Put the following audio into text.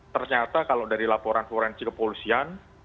ternyata kalau dari laporan forensik kepolisian